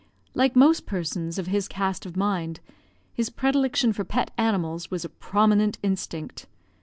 Like most persons of his caste of mind, his predilection for pet animals was a prominent instinct.